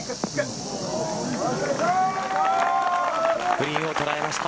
グリーンを捉えました。